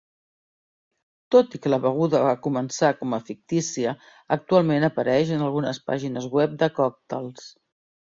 Tot i que la beguda va començar com a fictícia, actualment apareix en algunes pàgines web de còctels.